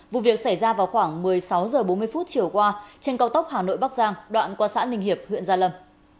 vụ việc xảy ra vào khoảng một mươi sáu h bốn mươi chiều qua trên cao tốc hà nội bắc giang đoạn qua xã ninh hiệp huyện gia lâm